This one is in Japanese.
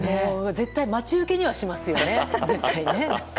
絶対に待ち受けにはしますよね。